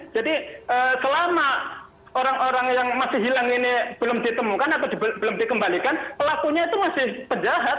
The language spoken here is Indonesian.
jadi selama orang orang yang masih hilang ini belum ditemukan atau belum dikembalikan pelakunya itu masih pejahat